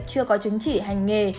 chưa có chứng chỉ hành nghề